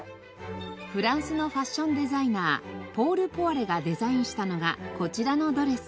フランスのファッションデザイナーポール・ポワレがデザインしたのがこちらのドレス。